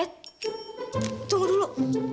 eh tunggu dulu